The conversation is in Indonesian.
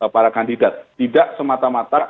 para kandidat tidak semata mata